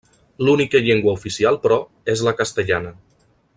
L'única llengua oficial, però, és la castellana.